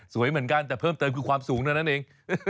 เหมือนกันแต่เพิ่มเติมคือความสูงเท่านั้นเอง